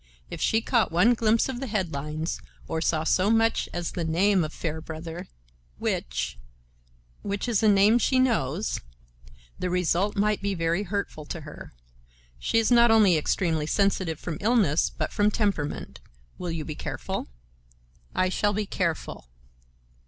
If she caught one glimpse of the headlines, or saw so much as the name of Fairbrother—which—which is a name she knows, the result might be very hurtful to her. She is not only extremely sensitive from illness but from temperament. Will you be careful?" "I shall be careful."